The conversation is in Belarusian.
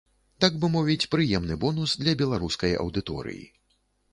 Так бы мовіць, прыемны бонус для беларускай аўдыторыі.